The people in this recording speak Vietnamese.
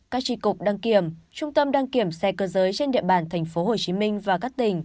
các tri cục đăng kiểm trung tâm đăng kiểm xe cơ giới trên địa bàn tp hcm và các tỉnh